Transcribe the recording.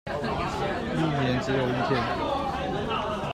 一年只有一天